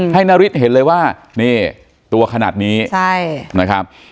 ให้นฤทธิ์เห็นเลยว่านี่ตัวขนาดนี้นะครับ